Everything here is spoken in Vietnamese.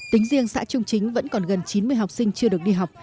tính riêng xã trung chính vẫn còn gần chín mươi học sinh chưa được đi học